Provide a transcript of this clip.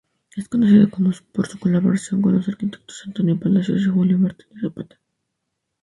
Es conocido por su colaboración con los arquitectos Antonio Palacios y Julio Martínez-Zapata.